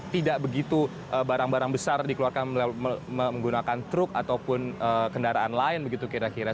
tidak begitu barang barang besar dikeluarkan menggunakan truk ataupun kendaraan lain begitu kira kira